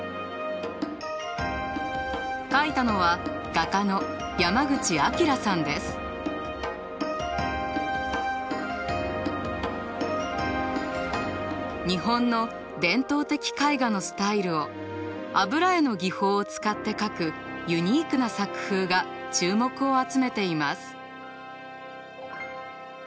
描いたのは日本の伝統的絵画のスタイルを油絵の技法を使って描くユニークな作風が注目を集めています。